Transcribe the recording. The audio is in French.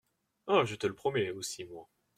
Oh ! je te le promets aussi, moi.